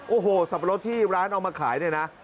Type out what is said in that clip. โอ้โหสัปดาห์รสที่ร้านเอามาขายนี่นะ